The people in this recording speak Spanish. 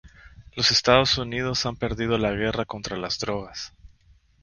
Los Estados Unidos han perdido la guerra contra las drogas.